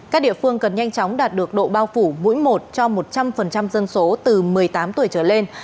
các địa phương cần nhanh chóng đạt được độ bao phủ mũi một cho một trăm linh dân số từ một mươi tám tuổi trở lên